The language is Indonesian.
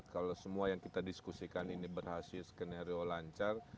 kalau semua yang kita diskusikan ini berhasil skenario lancar